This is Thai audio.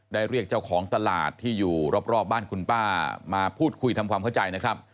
เรียกเจ้าของตลาดที่อยู่รอบบ้านคุณป้ามาพูดคุยทำความเข้าใจนะครับ